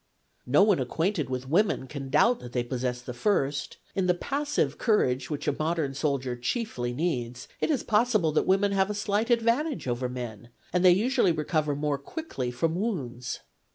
No one acquainted with women can doubt that they possess the first : in the passive courage which a modern soldier chiefly needs it is possible that women have a slight advantage over men, and they usually recover more quickly from wounds.